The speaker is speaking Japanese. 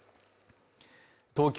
東京